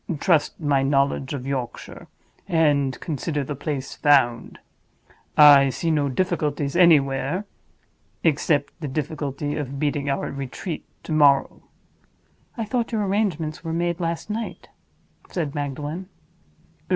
Trust my knowledge of Yorkshire, and consider the place found. I see no difficulties anywhere, except the difficulty of beating our retreat to morrow." "I thought your arrangements were made last night?" said Magdalen.